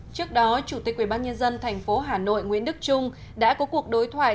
trước đó chủ tịch quyền bác nhân dân tp hà nội nguyễn đức trung đã có cuộc đối thoại